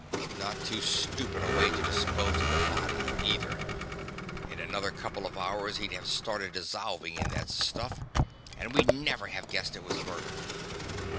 Not too stupid a way to dispose of the body, either in another couple of hours, he'd have started dissolving in that stuff, and we'd never have guessed it was murder.